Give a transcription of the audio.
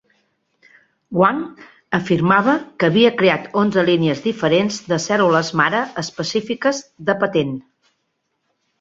Hwang afirmava que havia creat onze línies diferents de cèl·lules mare específiques de patent.